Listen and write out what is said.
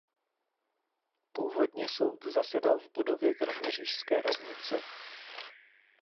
Původně soud zasedal v budově kroměřížské radnice.